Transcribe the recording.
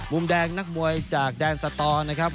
มุมแดงนักมวยจากแดนสตอร์นะครับ